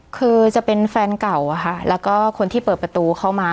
คือจะเป็นแฟนเก่าอะค่ะแล้วก็คนที่เปิดประตูเข้ามา